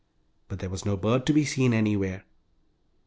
But there was no bird to be seen anywhere!